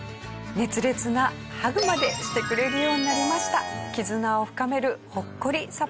熱烈なハグまでしてくれるようになりました。